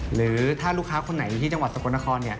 หรือถ้าลูกค้าคนไหนอยู่ที่จังหวัดสกลนคร